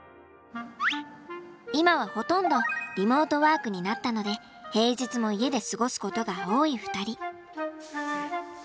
今はほとんどリモートワークになったので平日も家で過ごすことが多い２人。